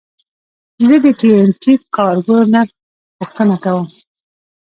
زه د ټي این ټي کارګو نرخ پوښتنه کوم.